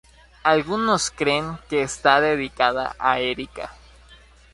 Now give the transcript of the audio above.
Algunos creen que está dedicada a Érica.